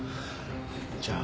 じゃあ。